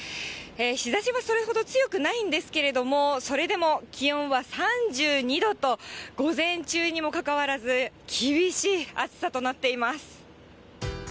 日ざしはそれほど強くないんですけれども、それでも気温は３２度と、午前中にもかかわらず、厳しい暑さとなっています。